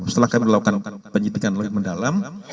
setelah kami lakukan penyidikan lebih mendalam